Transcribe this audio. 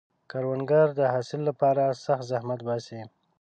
کروندګر د حاصل لپاره سخت زحمت باسي